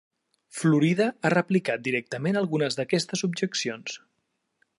Florida ha replicat directament algunes d'aquestes objeccions.